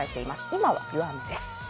今は弱いです。